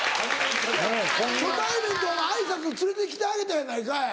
初対面ってお前挨拶連れてきてあげたやないかい。